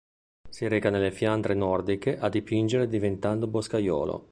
Si reca nelle fiandre nordiche a dipingere diventando boscaiolo.